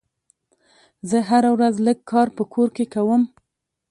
زه هره ورځ لږ کار په کور کې کوم.